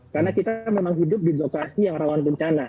karena kita memang hidup di lokasi yang rawan bencana